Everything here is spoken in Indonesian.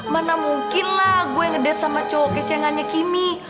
mana mungkin lah gue ngedet sama cowok kecengannya kimmy